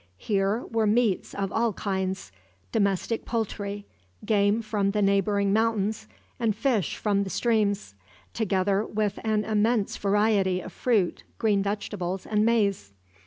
Here were meats of all kinds, domestic poultry, game from the neighboring mountains, and fish from the streams; together with an immense variety of fruit, green vegetables, and maize.